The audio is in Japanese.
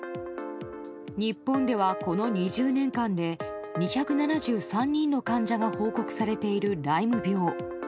日本ではこの２０年間で２７３人の患者が報告されている、ライム病。